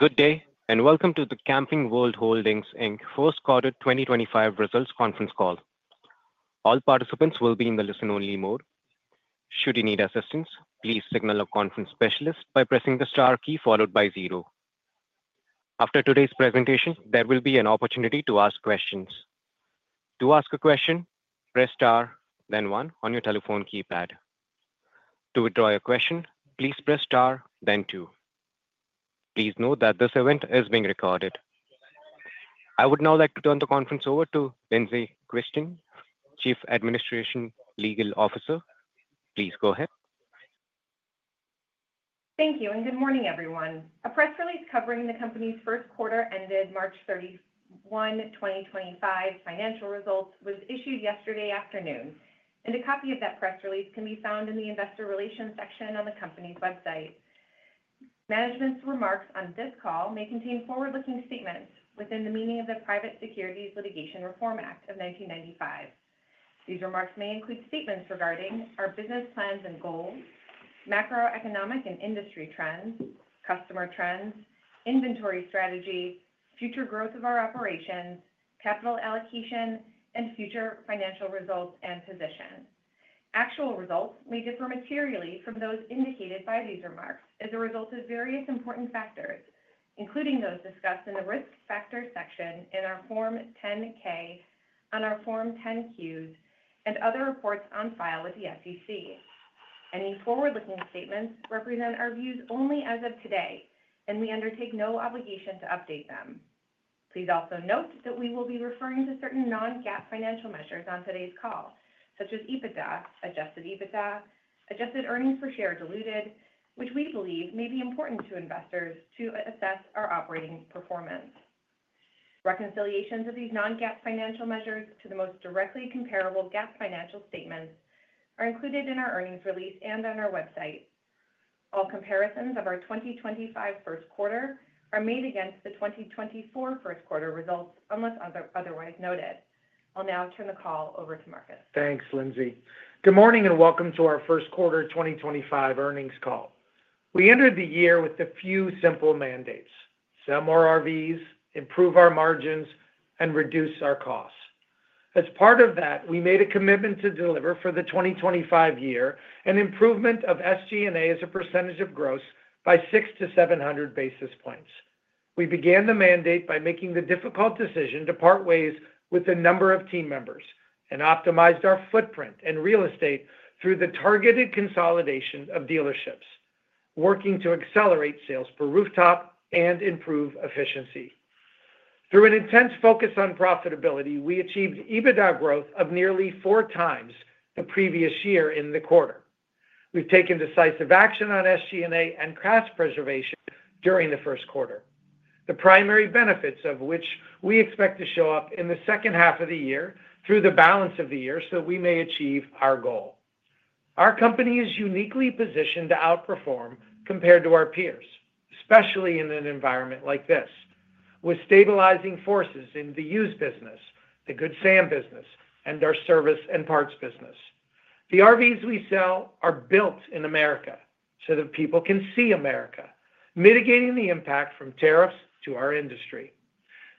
Good day and welcome to the Camping World Holdings First Quarter 2025 Results Conference Call. All participants will be in the listen only mode. Should you need assistance, please signal a conference specialist by pressing the star key followed by zero. After today's presentation, there will be an opportunity to ask questions. To ask a question, press star then one on your telephone keypad. To withdraw your question, please press star then two. Please note that this event is being recorded. I would now like to turn the conference over to Lindsey Christen, Chief Administrative and Legal Officer. Please go ahead. Thank you and good morning everyone. A press release covering the company's first quarter ended March 31, 2025 financial results was issued yesterday afternoon and a copy of that press release can be found in the Investor Relations section on the company's website. Management's remarks on this call may contain forward looking statements within the meaning of the Private Securities Litigation Reform Act of 1995. These remarks may include statements regarding our business plans and goals, macroeconomic and industry trends, customer trends, inventory strategy, future growth of our operations, capital allocation and future financial results and position. Actual results may differ materially from those indicated by these remarks as a result of various important factors, including those discussed in the Risk Factors section in our Form 10-K, in our Form 10-Qs and other reports on file with the SEC. Any forward looking statements represent our views only as of today and we undertake no obligation to update them. Please also note that we will be referring to certain non-GAAP financial measures on today's call, such as EBITDA, adjusted EBITDA, Adjusted Earnings Per Share diluted, which we believe may be important to investors to assess our operating performance. Reconciliations of these non-GAAP financial measures to the most directly comparable GAAP financial statements are included in our earnings release and on our website. All comparisons of our 2025 first quarter are made against the 2024 first quarter results unless otherwise noted. I'll now turn the call over to Marcus. Thanks, Lindsey. Good morning and welcome to our first quarter 2025 earnings call. We entered the year with a few simple mandates. Sell more RVs, improve our margins, and reduce our costs. As part of that, we made a commitment to deliver for the 2025 year an improvement of SG&A as a percentage of gross by 600-700 basis points. We began the mandate by making the difficult decision to part ways with a number of team members and optimized our footprint and real estate through the targeted consolidation of dealerships. Working to accelerate sales per rooftop and improve efficiency through an intense focus on profitability, we achieved EBITDA growth of nearly four times the previous year in the quarter. We've taken decisive action on SG&A and cash preservation during the first quarter, the primary benefits of which we expect to show up in the second half of the year through the balance of the year so we may achieve our goal. Our company is uniquely positioned to outperform compared to our peers, especially in an environment like this with stabilizing forces in the used business, the Good Sam business and our service and parts business. The RVs we sell are built in America so that people can see America, mitigating the impact from tariffs to our industry.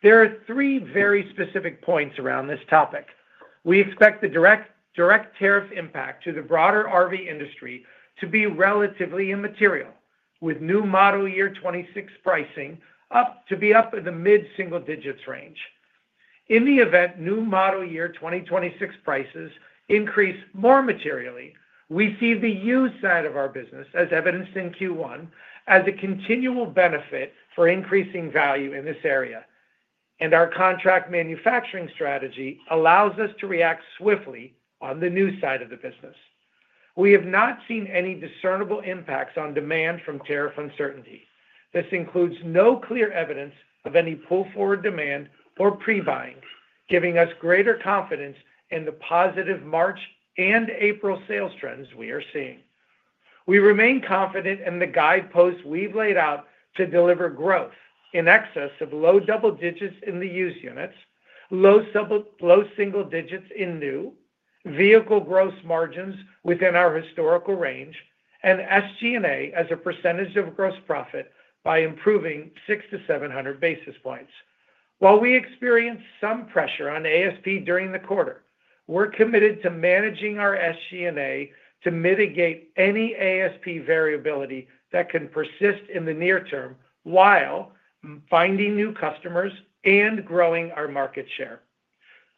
There are three very specific points around this topic. We expect the direct tariff impact to the broader RV industry to be relatively immaterial with new model year 2026 pricing to be up in the mid single digits range in the event new model year 2026 prices increase more materially. We see the used side of our business, as evidenced in Q1, as a continual benefit for increasing value in this area and our contract manufacturing strategy allows us to react swiftly on the new side of the business. We have not seen any discernible impacts on demand from tariff uncertainty. This includes no clear evidence of any pull forward demand or pre buying, giving us greater confidence in the positive March and April sales trends we are seeing. We remain confident in the guideposts we have laid out to deliver growth in excess of low double digits in the used units, low single digits in new vehicle gross margins within our historical range and SG&A as a percentage of gross profit by improving 600 to 700 basis points. While we experience some pressure on ASP during the quarter, we're committed to managing our SG&A to mitigate any ASP variability that can persist in the near term while finding new customers and growing our market share.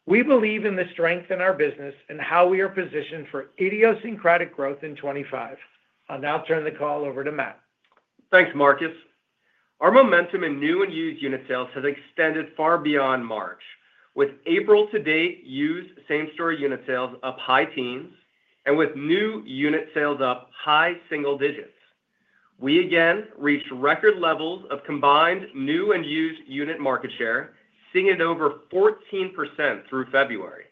We believe in the strength in our business and how we are positioned for idiosyncratic growth in 2025. I'll now turn the call over to Matt. Thanks Marcus. Our momentum in new and used unit sales has extended far beyond March with April to date used same story. Unit sales up high teens and with new unit sales up high single digits, we again reached record levels of combined new and used unit market share, seeing it over 14% through February.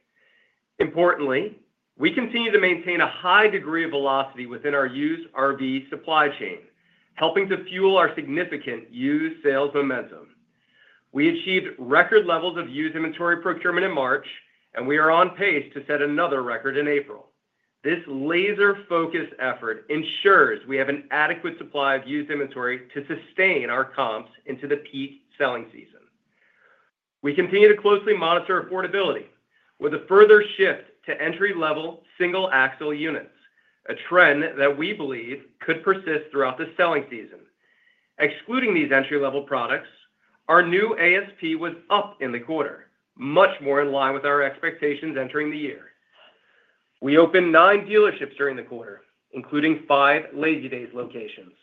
Importantly, we continue to maintain a high degree of velocity within our used RV supply chain, helping to fuel our significant used sales momentum. We achieved record levels of used inventory procurement in March and we are on pace to set another record in April. This laser focused effort ensures we have an adequate supply of used inventory to sustain our comps into the peak selling season, we continue to closely monitor affordability with a further shift to entry level single axle units, a trend that we believe could persist throughout the selling season. Excluding these entry level products, our new ASP was up in the quarter much more in line with our expectations entering the year. We opened nine dealerships during the quarter, including five Lazy Days locations.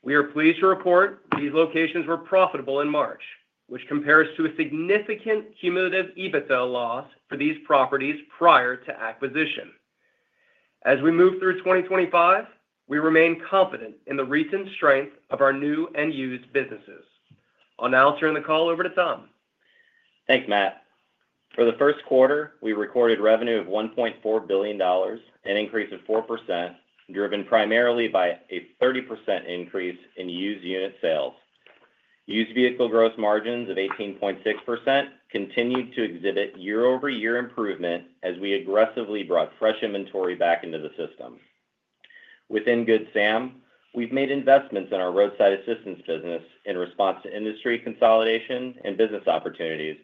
We are pleased to report these locations were profitable in March, which compares to a significant cumulative EBITDA loss for these properties prior to acquisition. As we move through 2025, we remain confident in the recent strength of our new and used businesses. I'll now turn the call over to Tom. Thanks Matt. For the first quarter we recorded revenue of $1.4 billion, an increase of 4% driven primarily by a 30% increase in used unit sales. Used vehicle gross margins of 18.6% continued to exhibit year-over-year improvement as we aggressively brought fresh inventory back into the system. Within Good Sam, we've made investments in our roadside assistance business in response to industry consolidation and business opportunities,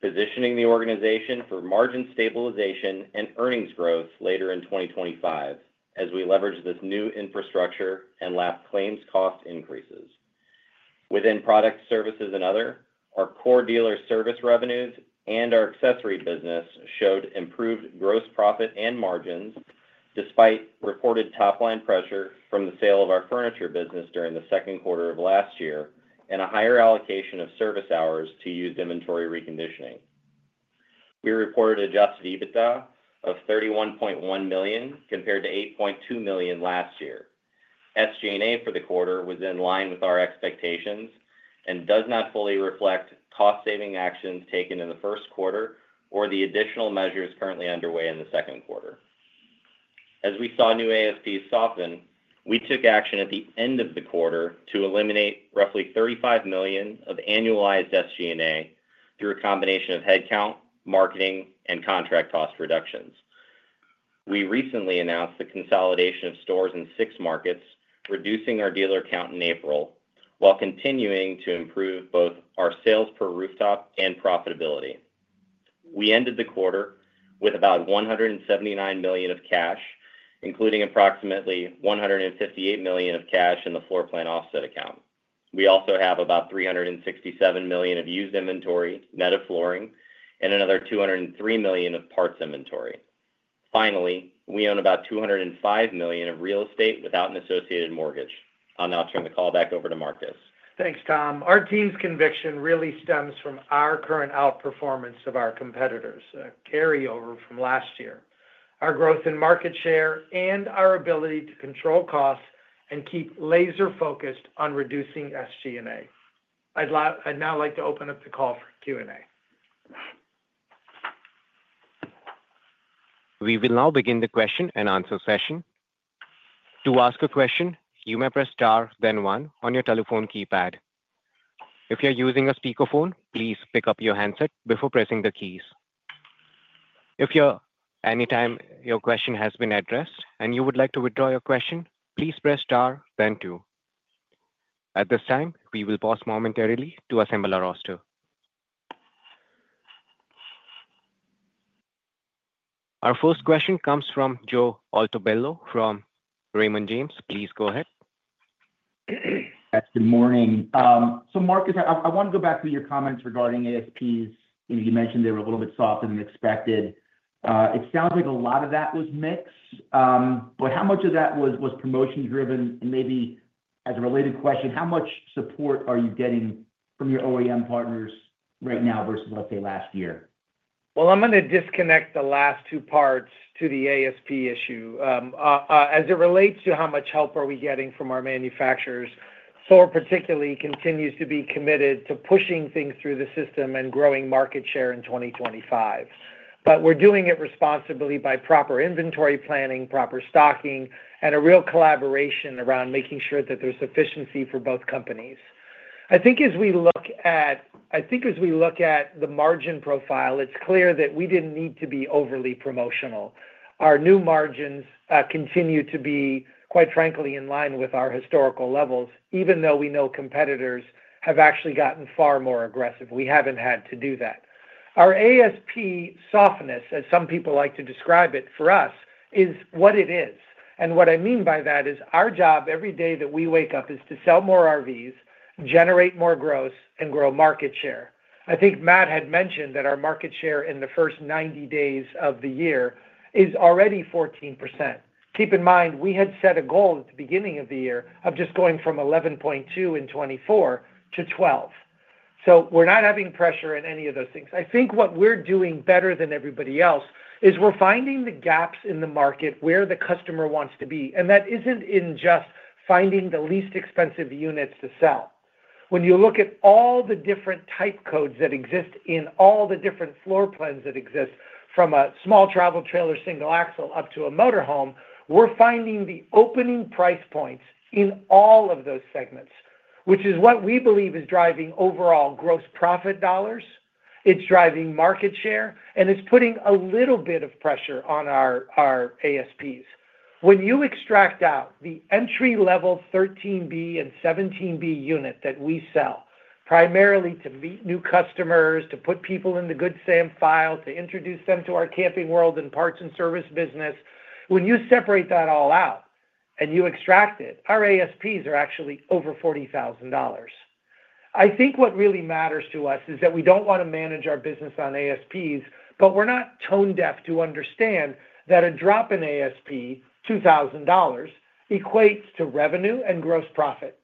positioning the organization for margin stabilization and earnings growth later in 2025 as we leverage this new infrastructure and lap claims. Cost increases within product services and other, our core dealer service revenues and our accessory business showed improved gross profit and margins despite reported top line pressure from the sale of our furniture business during the second quarter of last year and a higher allocation of service hours to used inventory reconditioning. We reported adjusted EBITDA of $31.1 million compared to $8.2 million last year. SG&A for the quarter was in line with our expectations and does not fully reflect cost saving actions taken in the first quarter or the additional measures currently underway in the second quarter. As we saw new ASP soften, we took action at the end of the quarter to eliminate roughly $35 million of annualized SG&A through a combination of headcount, marketing and contract cost reductions. We recently announced the consolidation of stores in six markets, reducing our dealer count in April while continuing to improve both our sales per rooftop and profitability. We ended the quarter with about $179 million of cash, including approximately $158 million of cash in the floor plan offset account. We also have about $367 million of used inventory net of flooring and another $203 million of parts inventory. Finally, we own about $205 million of real estate without an associated mortgage. I'll now turn the call back over to Marcus. Thanks, Tom. Our team's conviction really stems from our current outperformance of our competitors, carryover from last year, our growth in market share, and our ability to control costs and keep laser focused on reducing SG&A. I'd now like to open up the call for Q&A. We will now begin the question and answer session. To ask a question, you may press star, then one on your telephone keypad. If you're using a speakerphone, please pick up your handset before pressing the keys. If at any time your question has been addressed and you would like to withdraw your question, please press star then two. At this time, we will pause momentarily to assemble our roster. Our first question comes from Joe Altobello from Raymond James. Please go ahead. Good morning. Marcus, I want to go back to your comments regarding ASP's. You mentioned they were a little bit softer than expected. It sounds like a lot of that was mix, but how much of that? Was promotion driven? Maybe as a related question, how much support are you getting from your. OEM partners right now versus, let's say, last year? I'm going to disconnect the last two parts to the ASP issue as it relates to how much help are we getting from our manufacturers. Thor particularly continues to be committed to pushing things through the system and growing market share in 2025, but we're doing it responsibly by proper inventory planning, proper stocking, and a real collaboration around making sure that there's efficiency for both companies. I think as we look at, I think as we look at the margin profile, it's clear that we didn't need to be overly promotional. Our new margins continue to be, quite frankly, in line with our historical levels. Even though we know competitors have actually gotten far more aggressive, we haven't had to do that. Our ASP softness, as some people like to describe it, for us is what it is. What I mean by that is our job every day that we wake up is to sell more RVs, generate more gross, and grow market share. I think Matt had mentioned that our market share in the first 90 days of the year is already 14%. Keep in mind we had set a goal at the beginning of the year of just going from 11.2% in 2024 to 12%. So we're not having pressure in any of those things. I think what we're doing better than everybody else is we're finding the gaps in the market where the customer wants to be. That isn't in just finding the least expensive units to sell. When you look at all the different type codes that exist in all the different floor plans that exist from a small travel trailer, single axle up to a motorhome, we're finding the opening price points in all of those segments, which is what we believe is driving overall gross profit dollars. It's driving market share and it's putting a little bit of pressure on our ASPs. When you extract out the entry level 13B and 17B unit that we sell primarily to meet new customers, to put people in the Good Sam file, to introduce them to our Camping World and parts and service business. When you separate that all out and you extract it, our ASPs are actually over $40,000. I think what really matters to us is that we don't want to manage our business on ASPs. We are not tone deaf to understand that a drop in ASP $2,000 equates to revenue and gross profit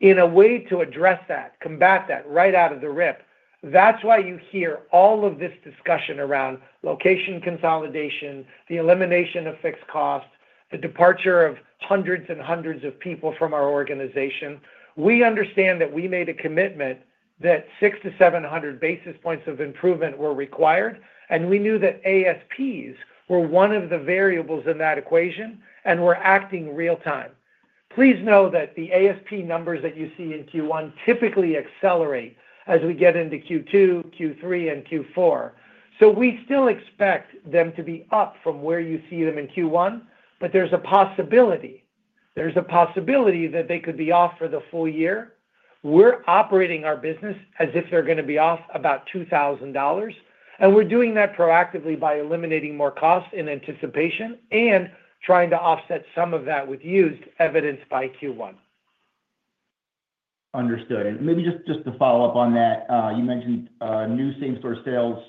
in a way to address that, combat that right out of the rip. That is why you hear all of this discussion around location consolidation, the elimination of fixed costs, the departure of hundreds and hundreds of people from our organization. We understand that we made a commitment that 600-700 basis points of improvement were required and we knew that ASPs were one of the variables in that equation and we are acting real time. Please know that the ASP numbers that you see in Q1 typically accelerate as we get into Q2, Q3, and Q4. We still expect them to be up from where you see them in Q1. There is a possibility, there is a possibility that they could be off for the full year. We're operating our business as if they're going to be off about $2,000. We're doing that proactively by eliminating more costs in anticipation and trying to offset some of that with used evidenced by Q1. Understood. Maybe just to follow up. On that, you mentioned new same store sales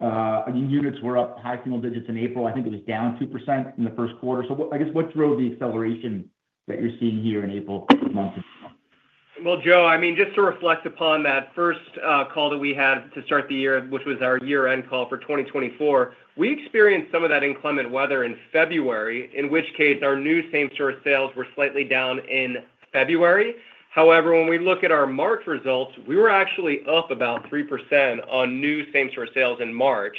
units were up high single digits in April. I think it was down 2% in the first quarter. I guess what drove the acceleration? That you're seeing here in April? Joe, I mean just to reflect upon that first call that we had to start the year, which was our year end call for 2024, we experienced some of that inclement weather in February. In which case our new same store sales were slightly down in February. However, when we look at our March results, we were actually up about 3% on new same store sales in March.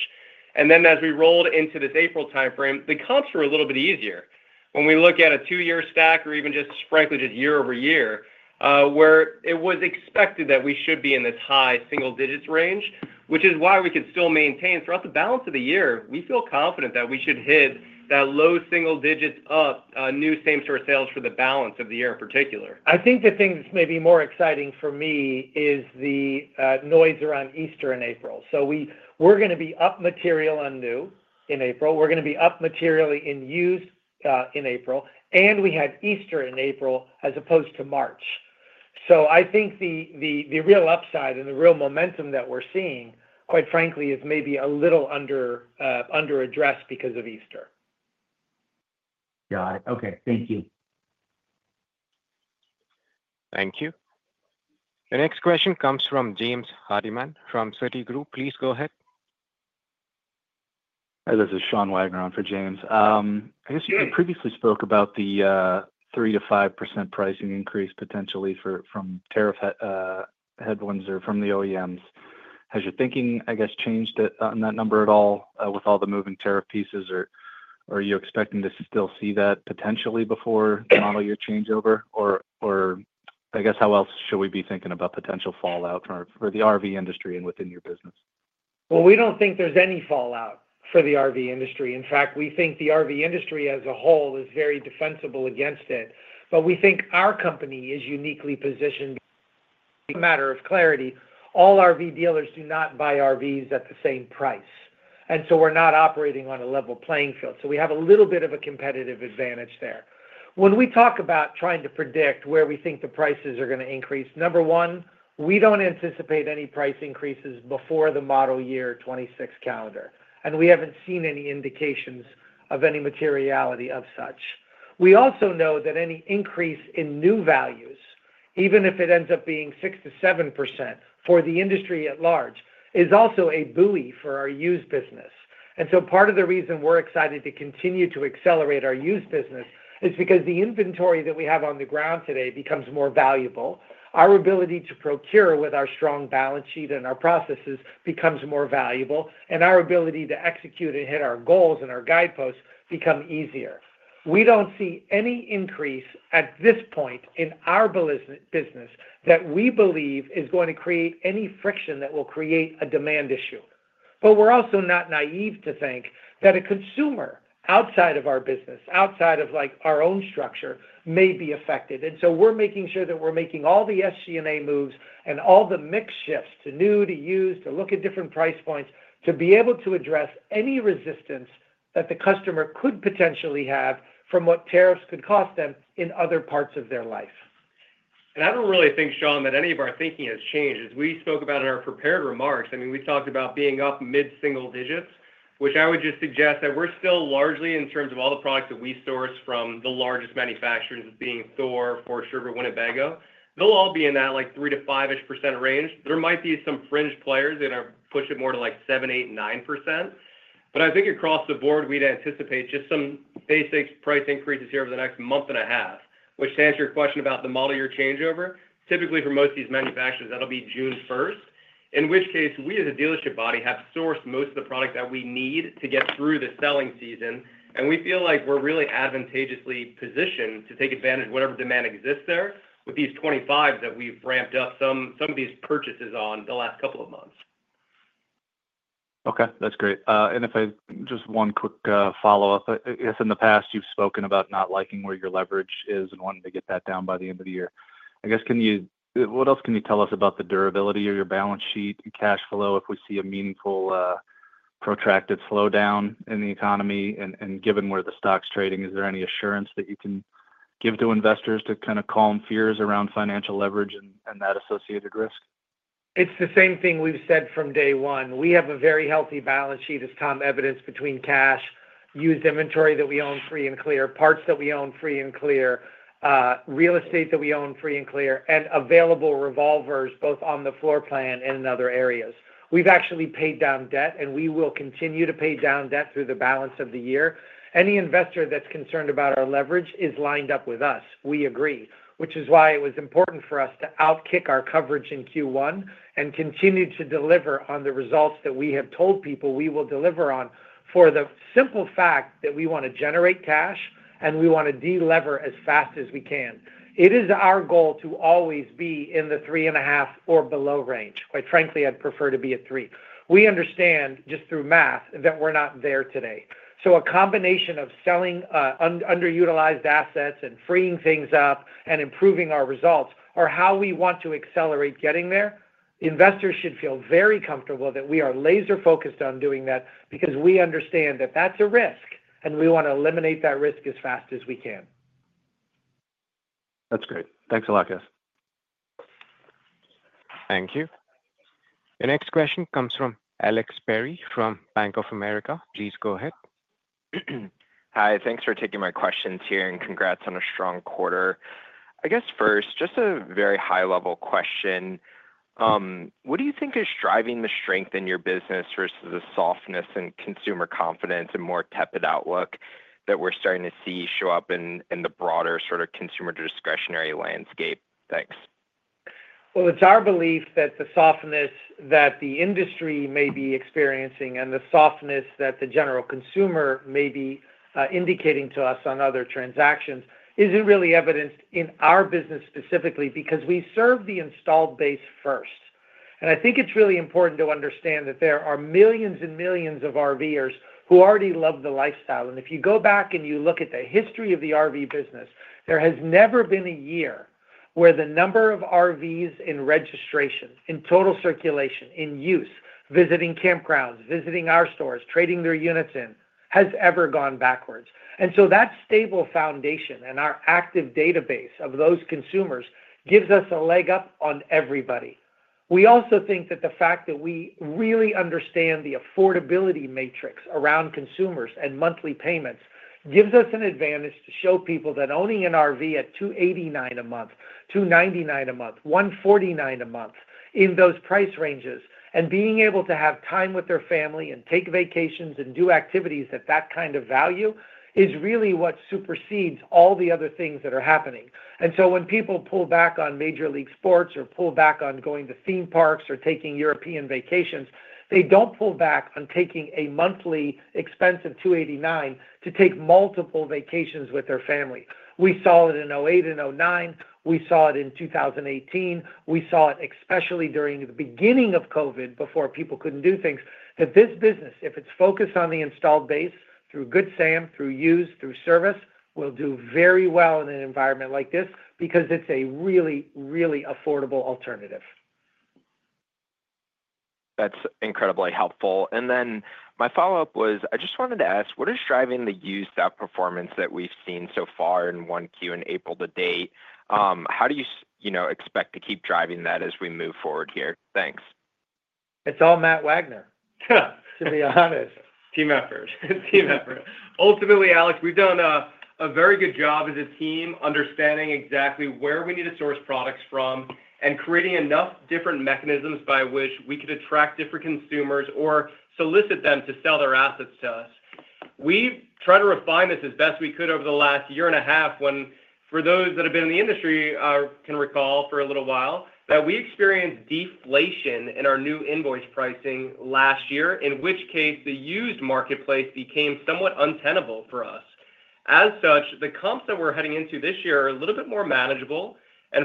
As we rolled into this April timeframe, the comps were a little bit easier when we look at a two year stack or even just frankly just year over year where it was expected that we should be in this high single digits range, which is why we could still maintain throughout the balance of the year. We feel confident that we should hit that low single digits up new same store sales for the balance of the year in particular. I think the thing that's maybe more exciting for me is the noise around Easter in April. We are going to be up material on new in April. We are going to be up materially in used in April. We had Easter in April as opposed to March. I think the real upside and the real momentum that we are seeing, quite frankly, is maybe a little under, under addressed because of Easter. Got it. Okay, thank you. Thank you. The next question comes from James Hardiman from Citigroup. Please go ahead. This is Sean Wagner on for James, I guess you previously spoke about the 3-5% pricing increase potentially for from tariff headwinds or from the OEMs. Has your thinking, I guess, changed on that number at all with all the moving tariff pieces or are you expecting to still see that potentially before your changeover? I guess, how else should we be thinking about potential fallout for the RV industry and within your business? We do not think there is any fallout for the RV industry. In fact, we think the RV industry as a whole is very defensible against it. We think our company is uniquely positioned. Matter of clarity, all RV dealers do not buy RVs at the same price. We are not operating on a level playing field. We have a little bit of a competitive advantage there. When we talk about trying to predict where we think the prices are going to increase, number one, we do not anticipate any price increases before the model year 2026 calendar and we have not seen any indications of any materiality of such. We also know that any increase in new values, even if it ends up being 6%-7% for the industry at large, is also a buoy for our used business. Part of the reason we're excited to continue to accelerate our used business is because the inventory that we have on the ground today becomes more valuable. Our ability to procure with our strong balance sheet and our processes becomes more valuable, and our ability to execute and hit our goals and our guideposts become easier. We do not see any increase at this point in our business that we believe is going to create any friction that will create a demand issue. We are also not naive to think that a consumer outside of our business, outside of like our own structure, may be affected. We're making sure that we're making all the SG&A moves and all the mix shifts to new to used to look at different price points to be able to address any resistance that the customer could potentially have from what tariffs could cost them in other parts of their life. I do not really think, Sean, that any of our thinking has changed as we spoke about in our prepared remarks. I mean we talked about being up mid single digits, which I would just suggest that we are still largely in terms of all the products that we source from the largest manufacturers as being Thor, Forest River, Winnebago, they will all be in that 3-5% range. There might be some fringe players that are pushing more to 7-9%. I think across the board we would anticipate just some basic price increases here over the next month and a half, which stands your question about the model year changeover. Typically for most of these manufacturers that'll be June 1st, in which case we as a dealership body have sourced most of the product that we need to get through the selling season and we feel like we're really advantageously positioned to take advantage whatever demand exists there with these 25 that we've ramped up some of these purchases on the last couple of months. Okay, that's great. If I just have one quick follow up. In the past you've spoken about not liking where your leverage is and wanting to get that down by the end of the year, I guess. Can you. What else can you tell us about the durability or your balance sheet cash flow? If we see a meaningful protracted slowdown in the economy and given where the stock's trading, is there any assurance that you can give to investors to kind of calm fears around financial leverage and that associated risk? It's the same thing we've said from day one. We have a very healthy balance sheet. As Tom evidence between cash used, inventory that we own free and clear, parts that we own free and clear, real estate that we own free and clear, and available revolvers both on the floor plan and in other areas, we've actually paid down debt and we will continue to pay down debt through the balance of the year. Any investor that's concerned about our leverage is lined up with us. We agree, which is why it was important for us to out kick our coverage in Q1 and continue to deliver on the results that we have told people we will deliver on. For the simple fact that we want to generate cash and we want to delever as fast as we can. It is our goal to always be in the three and a half or below range. Quite frankly, I'd prefer to be at 3. We understand just through math that we're not there today. A combination of selling underutilized assets and freeing things up and improving our results are how we want to accelerate getting there. Investors should feel very comfortable that we are laser focused on doing that because we understand that that's a risk and we want to eliminate that risk as fast as we can. That's great. Thanks a lot, guys. Thank you. The next question comes from Alex Berry from Bank of America. Please go ahead. Hi. Thanks for taking my questions here. Congrats on a strong quarter, I guess. First, just a very high level question. What do you think is driving the? Strength in your business versus the softness in consumer confidence and more tepid outlook that we're starting to see show up in the broader sort of consumer discretionary landscape? Thanks. It is our belief that the softness that the industry may be experiencing and the softness that the general consumer may be indicating to us on other transactions is not really evidenced in our business specifically because we serve the installed base first. I think it is really important to understand that there are millions and millions of RVers who already love the lifestyle. If you go back and you look at the history of the RV business, there has never been a year where the number of RVs in registration, in total circulation, in use, visiting campgrounds, visiting our stores, trading their units in, has ever gone backwards. That stable foundation and our active database of those consumers gives us a leg up on everybody. We also think that the fact that we really understand the affordability matrix around consumers and monthly payments gives us an advantage to show people that owning an RV at $289 a month, $299 a month, $149 a month in those price ranges, and being able to have time with their family and take vacations and do activities at that kind of value is really what supersedes all the other things that are happening. When people pull back on major league sports or pull back on going to theme parks or taking European vacations, they do not pull back on taking a monthly expense of $289 to take multiple vacations with their family. We saw it in 2008 and 2009. We saw it in 2018. We saw it especially during the beginning of COVID before people couldn't do things that this business, if it's focused on the installed base, through Good Sam, through use, through service, will do very well in an environment like this because it's a really, really affordable alternative. That's incredibly helpful. My follow up was, I just wanted to ask what is driving. The used outperformance that we've seen so far in 1Q in April to date? How do you expect to keep driving that as we move forward here? Thanks. It's all Matt Wagner, to be honest. Team effort. Team effort. Ultimately, Alex, we've done a very good job as a team understanding exactly where we need to source products from and creating enough different mechanisms by which we could attract different consumers or solicit them to sell their assets to us. We tried to refine this as best we could over the last year and a half when for those that have been in the industry can recall for a little while that we experienced deflation in our new invoice pricing last year, in which case the used marketplace became somewhat untenable for us. As such, the comps that we're heading into this year are a little bit more manageable.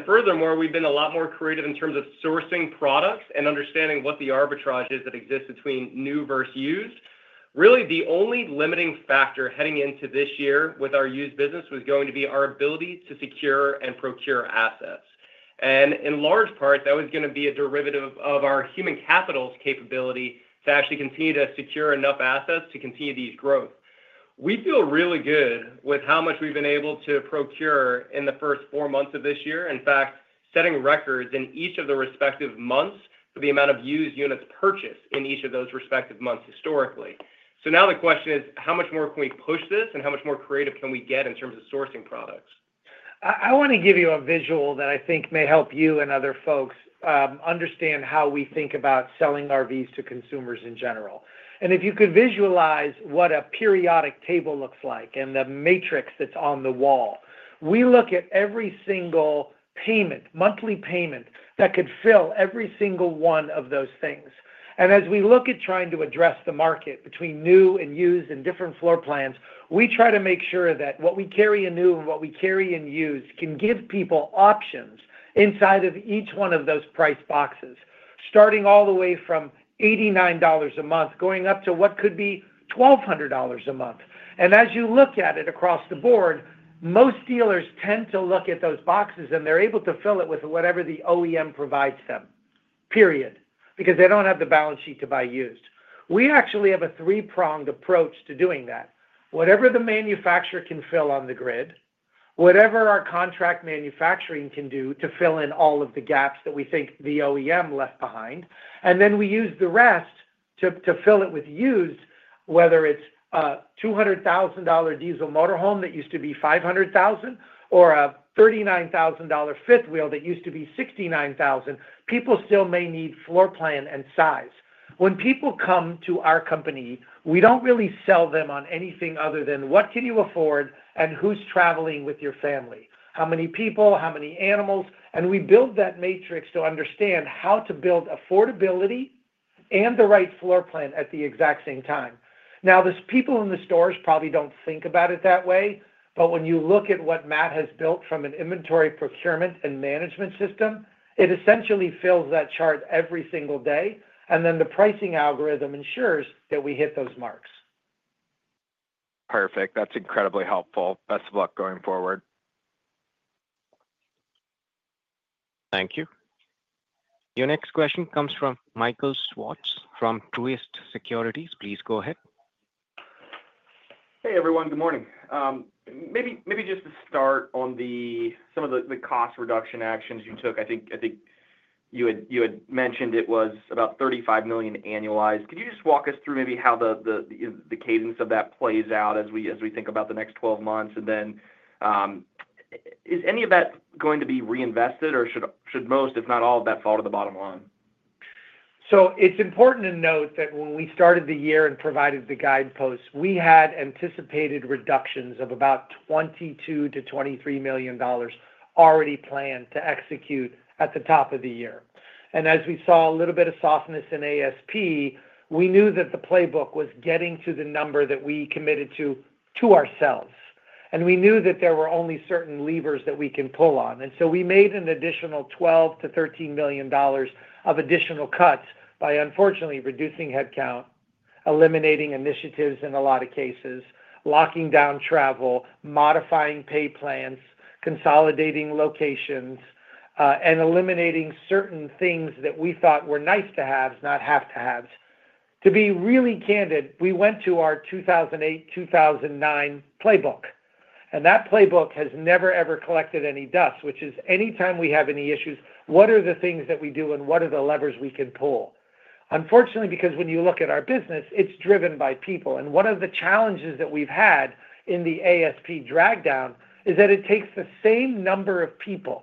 Furthermore, we've been a lot more creative in terms of sourcing products and understanding what the arbitrage is that exist between new versus used. Really the only limiting factor heading into this year with our used business was going to be our ability to secure and procure assets. In large part that was going to be a derivative of our human capital's capability to actually continue to secure enough assets to continue this growth. We feel really good with how much we've been able to procure in the first four months of this year. In fact, setting records in each of the respective months for the amount of used units purchased in each of those respective months historically. Now the question is how much more can we push this and how much more creative can we get in terms of sourcing products? I want to give you a visual that I think may help you and other folks understand how we think about selling RVs to consumers in general. If you could visualize what a periodic table looks like and the matrix that's on the wall, we look at every single payment, monthly payment that could fill every single one of those things. As we look at trying to address the market between new and used and different floor plans, we try to make sure that what we carry in new and what we carry in used can give people options inside of each one of those price boxes, starting all the way from $89 a month, going up to what could be $1,200 a month. As you look at it across the board, most dealers tend to look at those boxes and they're able to fill it with whatever the OEM provides them, period. Because they don't have the balance sheet to buy used. We actually have a three-pronged approach to doing that. Whatever the manufacturer can fill on the grid, whatever our contract manufacturing can do to fill in all of the gaps that we think the OEM left behind, and then we use the rest to fill it with used. Whether it's a $200,000 diesel motorhome that used to be $500,000 or a $39,000 fifth wheel that used to be $69,000, people still may need floor plan and size. When people come to our company, we don't really sell them on anything other than what can you afford and who's traveling with your family, how many people, how many animals? We build that matrix to understand how to build affordability and the right floor plan at the exact same time. The people in the stores probably do not think about it that way, but when you look at what Matt has built from an inventory procurement and management system, it essentially fills that chart every single day. The pricing algorithm ensures that we hit those marks. Perfect. That's incredibly helpful. Best of luck going. Thank you. Your next question comes from Michael Swartz from Truist Securities. Please go ahead. Hey everyone. Good morning. Maybe just to start on the. Some of the cost reduction actions you took. I think you had mentioned it was about $35 million annualized. Could you just walk us through maybe. How the cadence of that plays out as we think about the next 12 months and then. Is any of that? Going to be reinvested or should most, if not all of that fall to the bottom line? It is important to note that when we started the year and provided the guideposts, we had anticipated reductions of about $22 million-$23 million already planned to execute at the top of the year. As we saw a little bit of softness in ASP, we knew that the playbook was getting to the number that we committed to, to ourselves. We knew that there were only certain levers that we can pull on. We made an additional $12 million-$13 million of additional cuts by unfortunately reducing headcount, eliminating initiatives, in a lot of cases locking down travel, modifying pay plans, consolidating locations, and eliminating certain things that we thought were nice to haves, not have to haves. To be really candid. We went to our 2008, 2009 playbook, and that playbook has never, ever collected any dust, which is, anytime we have any issues, what are the things that we do and what are the levers we can pull? Unfortunately, because when you look at our business, it's driven by people. One of the challenges that we've had in the ASP drag down is that it takes the same number of people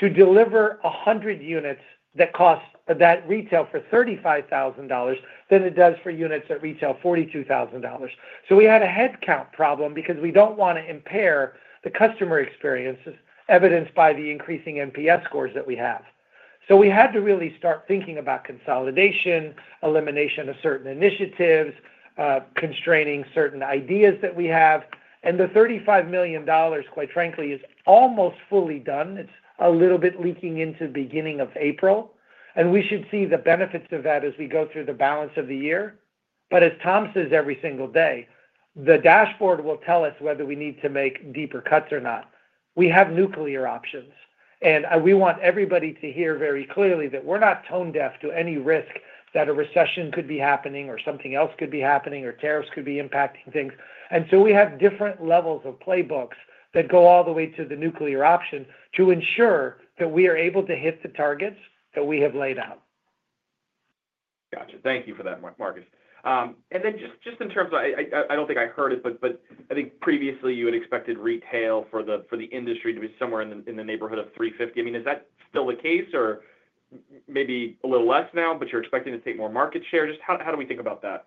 to deliver 100 units that retail for $35,000 than it does for units that retail $42,000. We had a headcount problem because we do not want to impair the customer experience, as evidenced by the increasing NPS scores that we have. We had to really start thinking about consolidation, elimination of certain initiatives, constraining certain ideas that we have. The $35 million, quite frankly, is almost fully done. It's a little bit leaking into the beginning of April, and we should see the benefits of that as we go through the balance of the year. As Tom says, every single day, the dashboard will tell us whether we need to make deeper cuts or not. We have nuclear options, and we want everybody to hear very clearly that we're not tone deaf to any risk that a recession could be happening or something else could be happening or tariffs could be impacting things. We have different levels of playbooks that go all the way to the nuclear option to ensure that we are able to hit the targets that we have laid out. Gotcha. Thank you for that, Marcus. Just in terms of. I don't think I heard it, but. I think previously you had expected retail for the industry to be somewhere in the neighborhood of 350. I mean, is that still the case? Or maybe a little less now? You're expecting to take more market share? Just how do we think about that?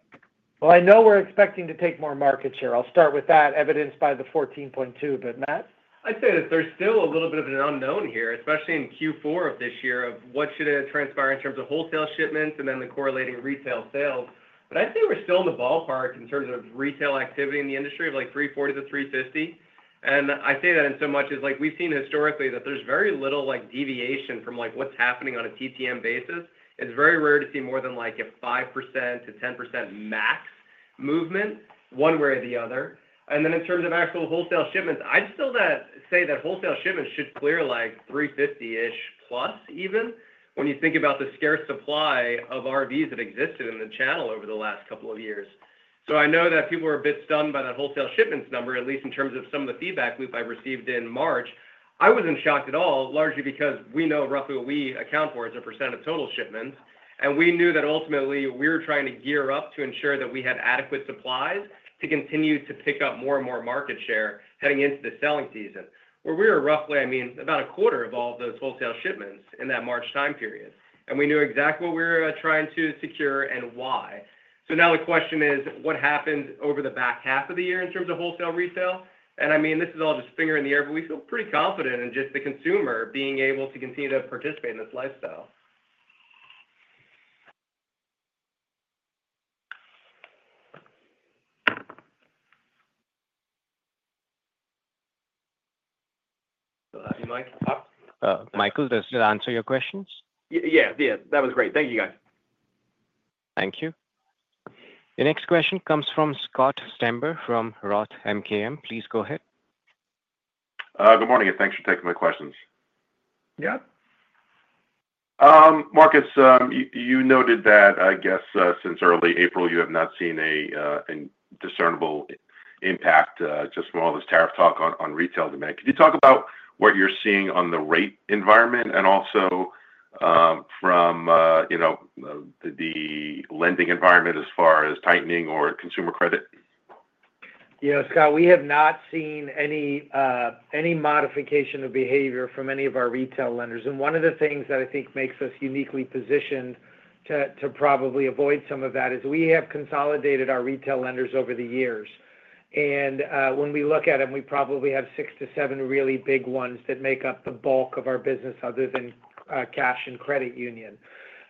I know we're expecting to take more market share. I'll start with that, evidenced by the 14.2. Matt. I'd say that there's still. A little bit of an unknown here, especially in Q4 of this year, of what should transpire in terms of wholesale shipments and then the correlating retail sales. I think we're still in the ballpark in terms of retail activity in the industry of, like, 340-350. I say that in so much as, like, we've seen historically that there's very little, like, deviation from, like, what's happening on a TTM basis, it's very rare to see more than, like, a 5%-10% max movement one way or the other. In terms of actual wholesale shipments, I'd still say that wholesale shipments should clear, like, 350ish. Plus, even when you think about the scarce supply of RVs that existed in the channel over the last couple of years. I know that people are a bit stunned by that wholesale shipments number, at least in terms of some of the feedback loop I've received in March. I wasn't shocked at all. Largely because we know roughly what we account for as a % of total shipments. We knew that ultimately we were trying to gear up to ensure that we had adequate supplies to continue to pick up more and more market share heading into the selling season, where we were roughly, I mean, about a quarter of all those wholesale shipments in that March time period. We knew exactly what we were trying to secure and why. Now the question is what happens over the back half of the year in terms of wholesale retail? I mean this is all just finger in the air, but we feel pretty confident in just the consumer being able to continue to participate in this lifestyle. Michael, does that answer your questions? Yeah. Yeah, that was great. Thank you guys. Thank you. The next question comes from Scott Stember from Roth MKM. Please go ahead. Good morning and thanks for taking my questions. Yeah [Unknown Speaker] Marcus, you noted that I guess since early April you have not seen a discernible impact just from all this tariff talk on retail demand. Can you talk about what you're seeing on the rate environment and also from, you know, the lending environment as far as tightening or consumer credit? Yeah, Scott, we have not seen any modification of behavior from any of our retail lenders. One of the things that I think makes us uniquely positioned to probably avoid some of that is we have consolidated our retail lenders over the years and when we look at them, we probably have six to seven really big ones that make up the bulk of our business other than cash and credit union.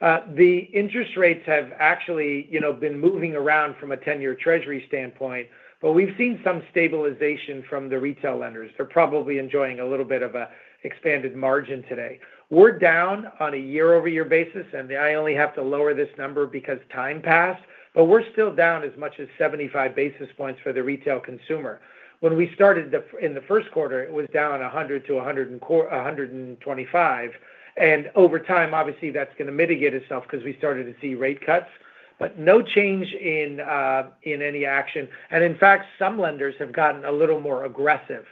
The interest rates have actually been moving around from a ten year treasury standpoint, but we've seen some stabilization from the retail lenders. They're probably enjoying a little bit of an expanded margin today. We're down on a year-over-year basis and I only have to lower this number because time passed, but we're still down as much as 75 basis points for the retail consumer. When we started in the first quarter, it was down 100-120. Over time, obviously that's going to mitigate itself because we started to see rate cuts but no change in any action. In fact, some lenders have gotten a little more aggressive.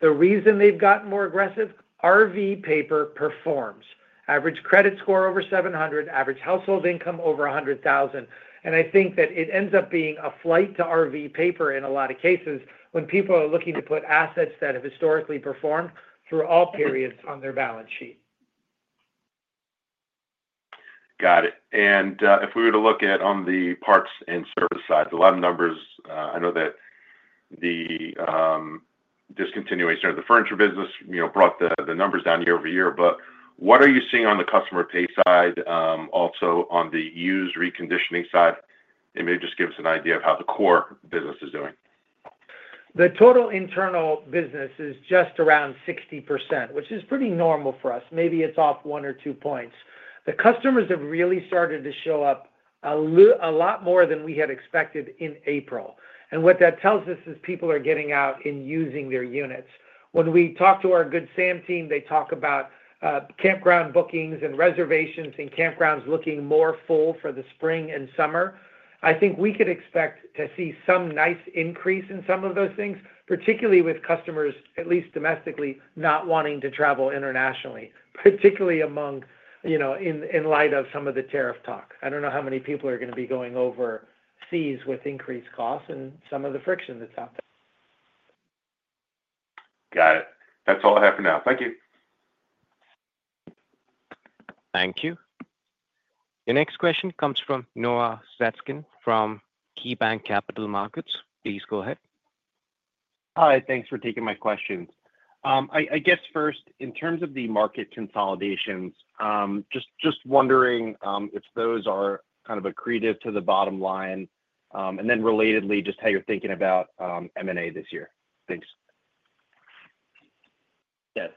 The reason they've gotten more aggressive, RV paper performs, average credit score over 700, average household income over $100,000. I think that it ends up being a flight to RV paper in a lot of cases when people are looking to put assets that have historically performed through all periods on their balance sheet. Got it. If we were to look at, on the parts and service side, the lot of numbers, I know that the discontinuation of the furniture business, you know, brought the numbers down year-over-year, but what are you seeing on the customer pay side also on the used reconditioning side? Maybe just give us an idea of how the core business is doing. The total internal business is just around 60%, which is pretty normal for us. Maybe it's off one or two points. The customers have really started to show up a lot more than we had expected in April. What that tells us is people are getting out in using their units. When we talk to our Good Sam team, they talk about campground bookings and reservations and campgrounds looking more full for the spring and summer. I think we could expect to see some nice increase in some of those things, particularly with customers, at least domestically, not wanting to travel internationally, particularly among, you know, in light of some of the tariff talk, I don't know how many people are going to be going overseas with increased costs and some of the friction that's out there. Got it. That's all I have for now. Thank you. Thank you. Your next question comes from Noah Zatskin from KeyBanc Capital Markets. Please go ahead. Hi. Thanks for taking my questions. I guess first, in terms of the market consolidations, just wondering if those are kind of accretive to the bottom line. And then relatedly, just how you're thinking about M and A this year. Thanks.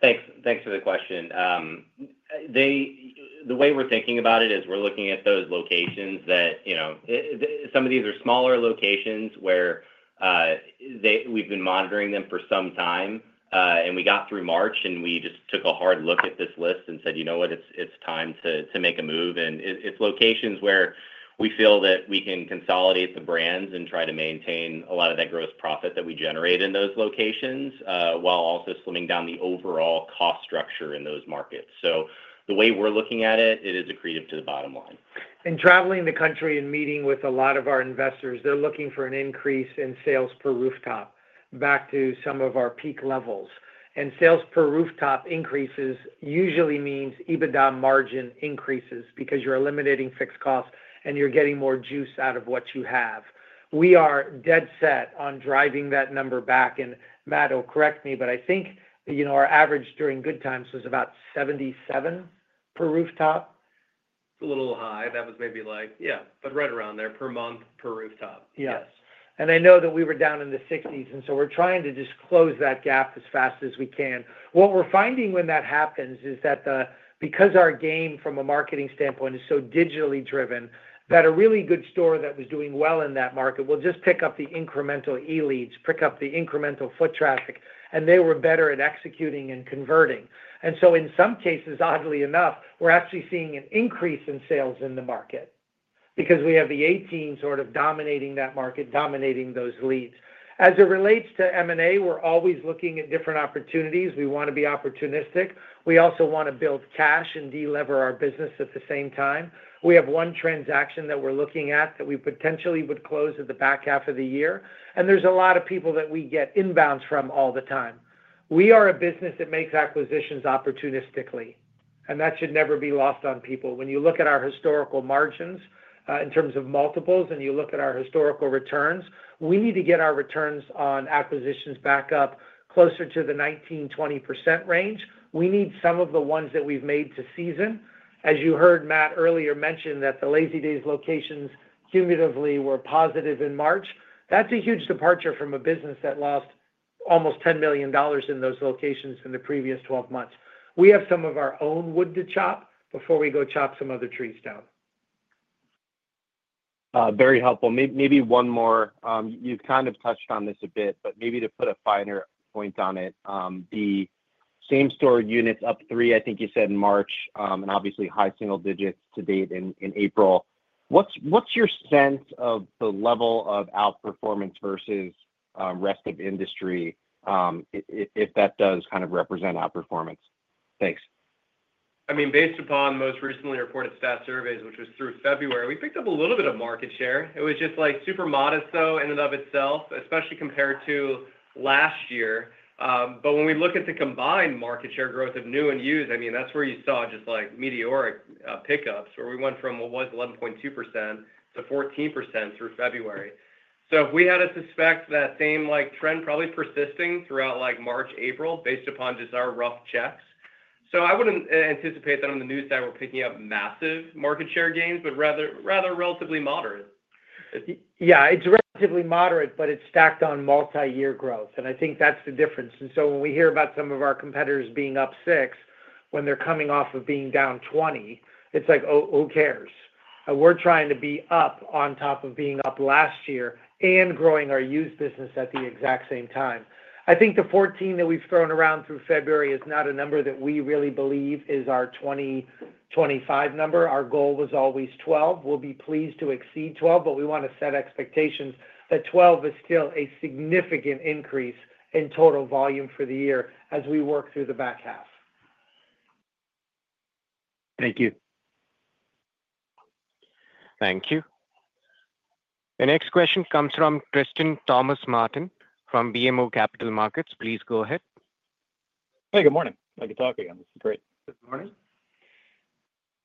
Thanks. Thanks for the question. The way we're thinking about it is we're looking at those locations that, you know, some of these are smaller locations where they. We've been monitoring them for some time, and we got through March, and we just took a hard look at this list and said, you know what? It's. It's time to make a move. It's locations where we feel that we can consolidate the brands and try to maintain a lot of that gross profit that we generate in those locations while also slimming down the overall cost structure in those markets. The way we're looking at it, it is accretive to the bottom line. In traveling the country and meeting with a lot of our investors, they're looking for an increase in sales per rooftop back to some of our peak levels. Sales per rooftop increases usually means EBITDA margin increases because you're eliminating fixed costs and you're getting more juice out of what you have. We are dead set on driving that number back. Matt will correct me, but I think, you know, our average during good times was about 77 per rooftop. A little high. That was maybe like. Yeah, but right around there. Per month per rooftop. Yes. I know that we were down in the 60s, and so we're trying to just close that gap as fast as we can. What we're finding when that happens is that because our game from a marketing standpoint is so digitally driven, a really good store that was doing well in that market will just pick up the incremental E leads, pick up the incremental foot traffic. They were better at executing and converting. In some cases, oddly enough, we're actually seeing an increase in sales in the market because we have the A team sort of dominating that market, dominating those leads. As it relates to M and A, we're always looking at different opportunities. We want to be opportunistic. We also want to build cash and delever our business. At the same time, we have one transaction that we're looking at that we potentially would close at the back half of the year. There are a lot of people that we get inbounds from all the time. We are a business that makes acquisitions opportunistically, and that should never be lost on people. When you look at our historical margins in terms of multiples and you look at our historical returns, we need to get our returns on acquisitions back up closer to the 19-20% range. We need some of the ones that we've made to season. As you heard Matt earlier mention that the Lazy Days locations cumulatively were positive in March. That's a huge departure from a business that lost almost $10 million in those locations in the previous 12 months. We have some of our own wood to chop before we go chop some other trees down. Very helpful. Maybe one more. You've kind of touched on this a bit, but maybe to put a finer. Point on it, the same stored units. Up three, I think you said, in March, and obviously high single digits to date in April. What's What's your sense of the level of? Outperformance versus rest of industry, if that does kind of represent outperformance? Thanks. I mean, based upon most recently reported Stat Surveys, which was through February, we picked up a little bit of market share. It was just like super modest though in and of itself, especially compared to last year. When we look at the combined market share growth of new and used, I mean that's where you saw just like meteoric pickups where we went from what was 11.2% to 14% through February. If we had to suspect that same like trend probably persisting throughout like March, April based upon just our rough checks. I wouldn't anticipate that. On the new side we're picking up massive market share gains, but rather, rather relatively moderate. Yeah, it's relatively moderate but it's stacked on multi-year growth and I think that's the difference. When we hear about some of our competitors being up 6 when they're coming off of being down 20, it's like, who cares? We're trying to be up on top of being up last year and growing our used business at the exact same time. I think the 14 that we've thrown around through February is not a number that we really believe is our 2025 number. Our goal was always 12. We'll be pleased to exceed 12, but we want to set expectations that 12 is still a significant increase in total volume for the year as we work through the back half. Thank you. Thank you. The next question comes from Tristan Thomas Martin from BMO Capital Markets. Please go ahead. Hey, good morning. I could talk again. This is great. Good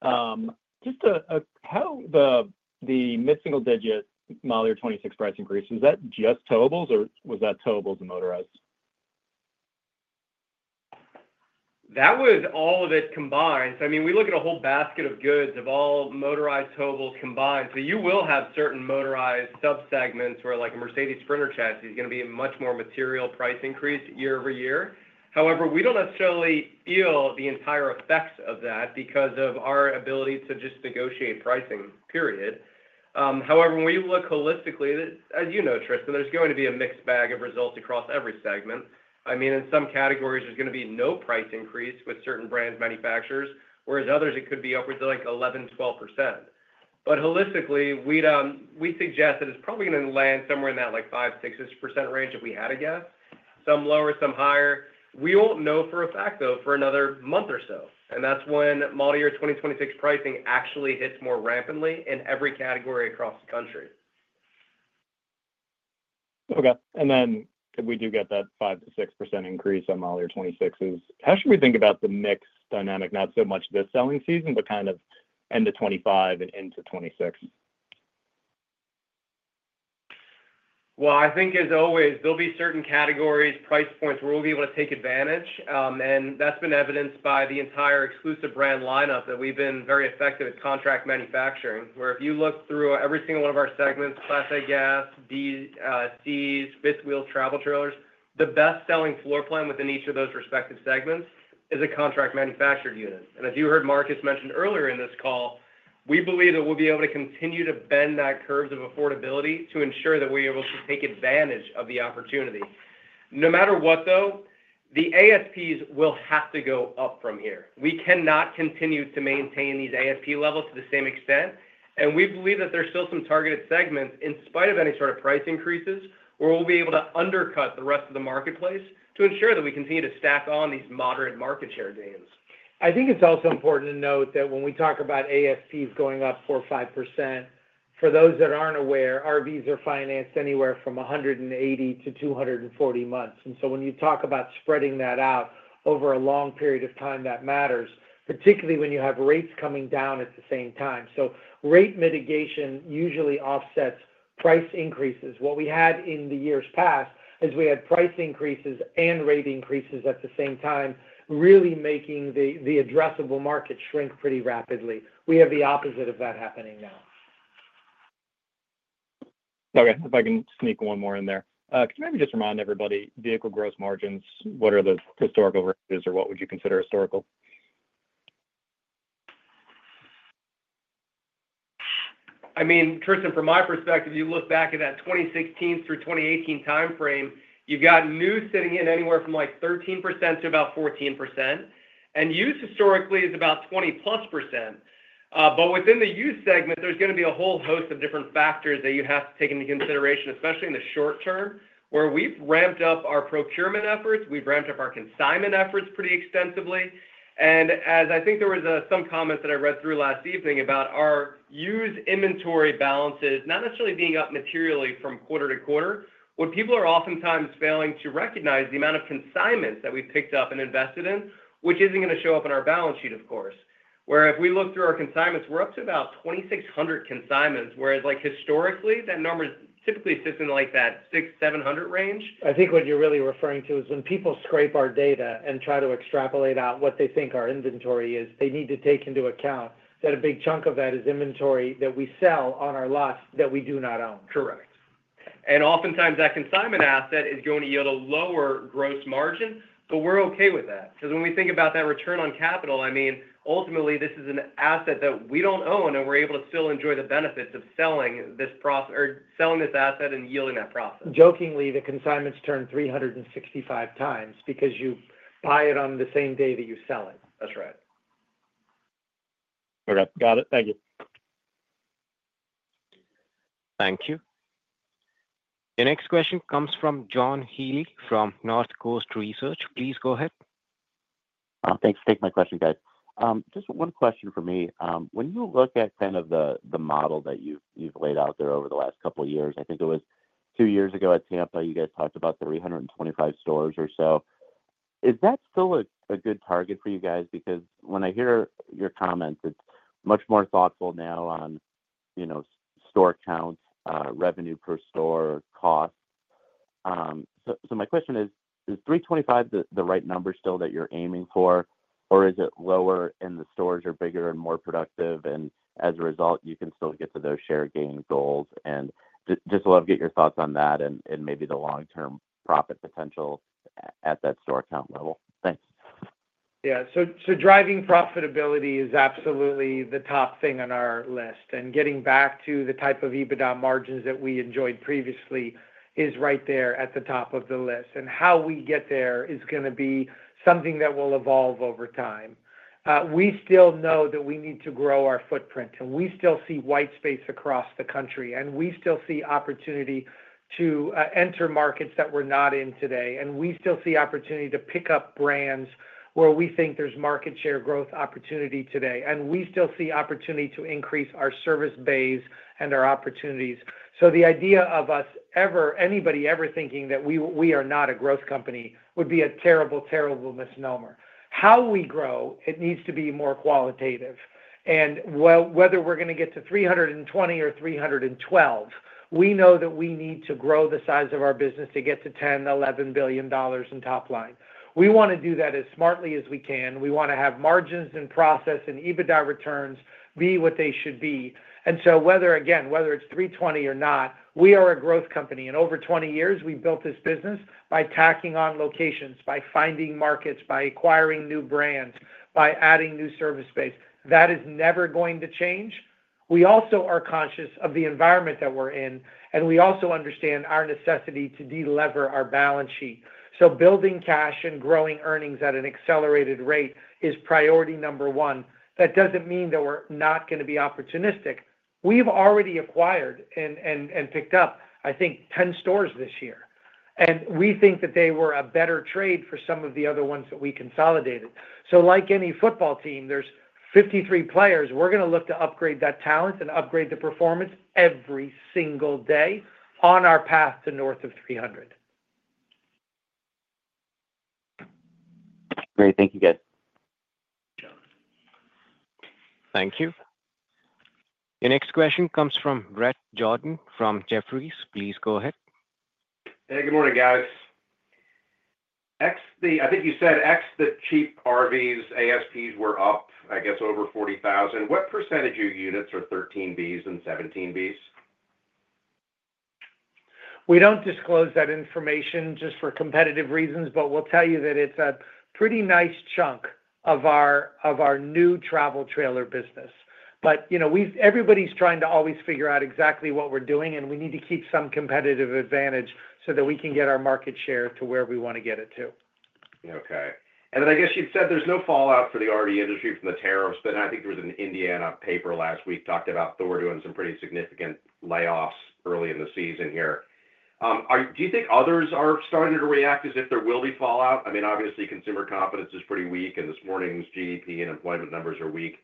morning. Just a. How the mid single digit, Molly. Or 26% price increase, was that just towables or was that towables and motorized? That was all of it combined. I mean we look at a whole basket of goods of all motorized towables combined. You will have certain motorized subsegments where like a Mercedes Sprinter chassis is going to be a much more material price increase year-ove-year. However, we do not necessarily feel the entire effects of that because of our ability to just negotiate pricing period. However, when we look holistically, as you know Tristan, there is going to be a mixed bag of results across every segment. I mean in some categories there is going to be no price increase with certain brands, manufacturers, whereas others it could be upwards like 11-12%. Holistically we suggest that it is probably going to land somewhere in that like 5-6% range. If we had a guess, some lower, some higher. We won't know for a fact though for another month or so. That is when model year 2026 pricing actually hits more rampantly in every category across the country. Okay, and then we do get that. 5%-6% increase on model year 26s. How should we think about the mix dynamic? Not so much this selling season, but. Kind of end of 2025 and into 2026. I think as always, there'll be certain categories, price points where we'll be able to take advantage. That's been evidenced by the entire exclusive brand lineup that we've been very effective at. Contract manufacturing, where if you look through every single one of our segments, Class A gas, DC fifth wheel travel trailers, the best selling floor plan within each of those respective segments is a contract manufactured unit. As you heard Marcus mentioned earlier in this call, we believe that we'll be able to continue to bend that curves of affordability to ensure that we take advantage of the opportunity. No matter what, though, the ASPs will have to go up from here. We cannot continue to maintain these ASP levels to the same extent. We believe that there's still some targeted segments in spite of any sort of price increases or we'll be able to undercut the rest of the marketplace to ensure that we continue to stack on these moderate market share gains. I think it's also important to note that when we talk about ASPs going up 4% or 5%. For those that aren't aware, RVs are financed anywhere from 180 to 240 months. When you talk about spreading that out over a long period of time, that matters, particularly when you have rates coming down at the same time. Rate mitigation usually offsets price increases. What we had in the years past is we had price increases and rate increases at the same time, really making the addressable market shrink pretty rapidly. We have the opposite of that happening now. Okay, if I can sneak one more. In there, can you maybe just remind. Everybody, vehicle gross margins, what are the historical ranges or what would you consider historical? I mean, Tristan, from my perspective, you look back at that 2016 through 2018 timeframe, you've got new sitting in anywhere from like 13% to about 14% and used historically is about +20%. Within the used segment, there's going to be a whole host of different factors that you have to take into consideration, especially in the short term where we've ramped up our procurement efforts, we've ramped up our consignment efforts pretty extensively. As I think there was some comments that I read through last evening about our used inventory balances not necessarily being up materially from quarter to quarter, what people are oftentimes failing to recognize is the amount of consignments that we picked up and invested in, which isn't going to show up in our balance. Sheet, of course, where if we look. Through our consignments we're up to about 2,600 consignments. Whereas like historically that number typically sits in like that 600-700 range. I think what you're really referring to is when people scrape our data and try to extract, extrapolate out what they think our inventory is, they need to take into account that a big chunk of that is inventory that we sell on our lots that we do not own. Correct. Oftentimes that consignment asset is going to yield a lower gross margin. We're okay with that because when we think about that return on capital, I mean ultimately this is an asset that we don't own and we're able to still enjoy the benefits of selling this process or selling this asset and yielding that process. Jokingly, the consignments turned 365 times because you buy it on the same day that you sell it. That's right. Okay, got it. Thank you. Thank you. The next question comes from John Healy from North Coast Research. Please go ahead. Thanks for taking my question. Guys, just one question for me. When you look at kind of the model that you've laid out there over the last couple of years, I think it was two years ago at Tampa, you guys talked about 325 stores or so. Is that still a good target for you guys? Because when I hear your comments, it's much more thoughtful now on, you know, store count, revenue per store cost. So my question, is 325 the right number still that you're aiming for or is it lower and the stores are bigger and more productive and as a result you can still get to those share gain goals and just love get your thoughts on that and maybe the long term profit potential at that store count level. Thanks. Yeah, driving profitability is absolutely the top thing on our list. Getting back to the type of EBITDA margins that we enjoyed previously is right there at the top of the list. How we get there is going to be something that will evolve over time. We still know that we need to grow our footprint and we still see white space across the country and we still see opportunity to enter markets that we're not in today. We still see opportunity to pick up brands where we think there's market share growth opportunity today. We still see opportunity to increase our service bays and our opportunities. The idea of us ever, anybody ever thinking that we are not a growth company would be a terrible, terrible misnomer. How we grow, it needs to be more qualitative. Whether we are going to get to 320 or 312, we know that we need to grow the size of our business to get to $10 billion-$11 billion in top line. We want to do that as smartly as we can. We want to have margins in process and EBITDA returns be what they should be. Whether it is 320 or not, we are a growth company. Over 20 years we built this business by tacking on locations, by finding markets, by acquiring new brands, by adding new service space. That is never going to change. We also are conscious of the environment that we are in and we also understand our necessity to delever our balance sheet. Building cash and growing earnings at an accelerated rate is priority number one. That does not mean that we are not going to be opportunistic. We've already acquired and picked up, I think, 10 stores this year and we think that they were a better trade for some of the other ones that we consolidated. Like any football team, there's 53 players. We're going to look to upgrade that talent and upgrade the performance every single day on our path to north of 300. Great. Thank you, guys. Thank you. Your next question comes from Brett Jordan from Jefferies. Please go ahead. Hey, good morning guys. The, I think you said x. The cheap RVs ASPs were up, I guess over $40,000. What percentage of units are 13 Bs and 17 Bs? We do not disclose that information just for competitive reasons. We will tell you that it is a pretty nice chunk of our, of our new travel trailer business. You know, everybody is trying to always figure out exactly what we are doing and we need to keep some competitive advantage so that we can get our market share to where we want to get it to. Okay. I guess you'd said there's. No fallout for the already industry from the tariffs, but I think there was an Indiana paper last week talked about Thor doing some pretty significant layoffs early in the season here. Do you think others are starting to? React as if there will be fallout. I mean, obviously consumer confidence is pretty weak and this morning's GDP and employment numbers are weak.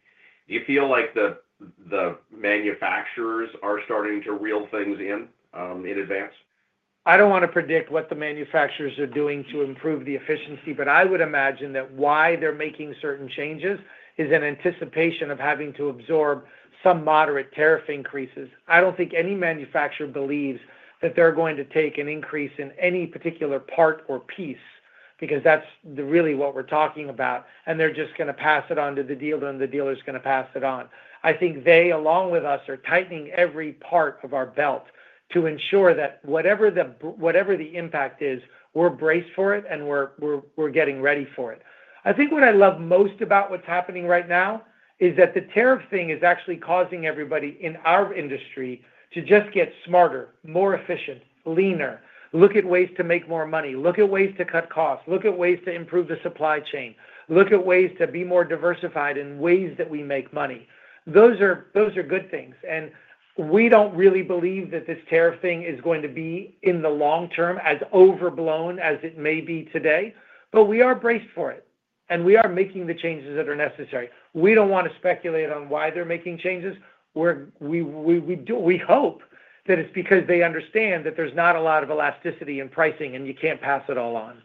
Do you feel like the manufacturers are starting to reel things in in advance? I don't want to predict what the manufacturers are doing to improve the efficiency. I would imagine that why they're making certain changes is in anticipation of having to absorb some moderate tariff increases. I don't think any manufacturer believes that they're going to take an increase in any particular part or piece, because that's really what we're talking about, and they're just going to pass it on to the dealer, and the dealer's going to pass it on. I think they, along with us, are tightening every part of our belt to ensure that whatever the impact is, we're braced for it and we're getting ready for it. I think what I love most about what's happening right now is that the tariff thing is actually causing everybody in our industry to just get smarter, more efficient, leaner, look at ways to make more money, look at ways to cut costs, look at ways to improve the supply chain, look at ways to be more diversified in ways that we make money. Those are good things. We don't really believe that this tariff thing is going to be in the long term, as overblown as it may be today. We are braced for it, and we are making the changes that are necessary. We don't want to speculate on why they're making changes where we do. We hope that it's because they understand that there's not a lot of elasticity in pricing and you can't pass it all on.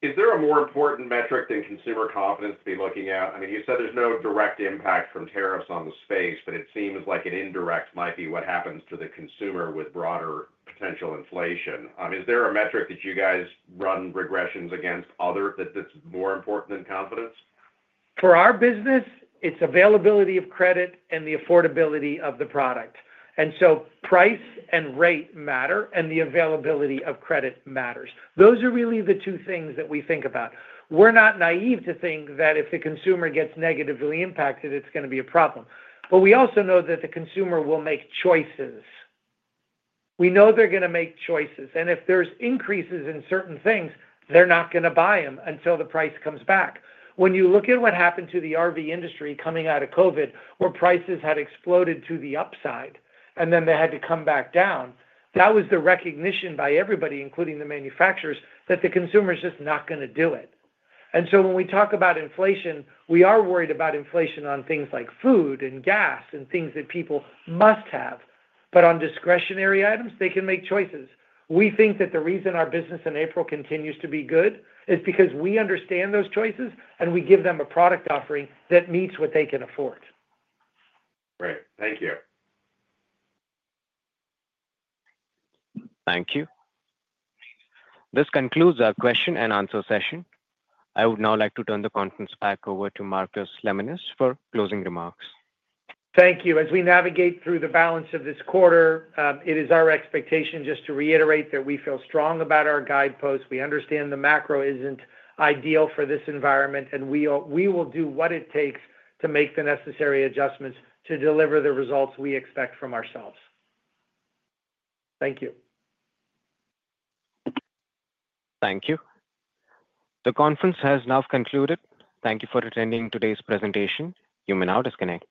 Is there a more important metric than consumer confidence to be looking at? I mean, you said there's no direct impact from tariffs on the space, but it seems like an indirect might be what happens to the consumer with broader potential. Inflation. Is there a metric that you guys run regressions against other that's more important than confidence? For our business, it's availability of credit and the affordability of the product. Price and rate matter and the availability of credit matters. Those are really the two things that we think about. We're not naive to think that if the consumer gets negatively impacted, it's going to be a problem. We also know that the consumer will make choices. We know they're going to make choices. If there's increases in certain things, they're not going to buy them until the price comes back. When you look at what happened to the RV industry coming out of COVID where prices had exploded to the upside and then they had to come back down, that was the recognition by everybody, including the manufacturers, that the consumer is just not going to do it. When we talk about inflation, we are worried about inflation on things like food and gas and things that people must have. On discretionary items, they can make choices. We think that the reason our business in April continues to be good is because we understand those choices and we give them a product offering that meets what they can afford. Great. Thank you. Thank you. This concludes our question and answer session. I would now like to turn the conference back over to Marcus Lemonis for closing remarks. Thank you. As we navigate through the balance of this quarter, it is our expectation just to reiterate that we feel strong about our guidelines post. We understand the macro is not ideal for this environment, and we will do what it takes to make the necessary adjustments to deliver the results we expect from ourselves. Thank you. Thank you. The conference has now concluded. Thank you for attending today's presentation. You may now disconnect.